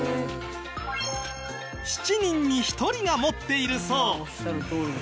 ７人に１人が持っているそう。